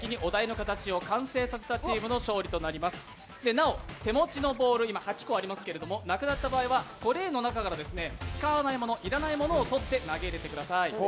なお、手持ちのボール、今、８個ありますけど、なくなった場合はトレーの中から使わないもの、要らないものを取って投げてください。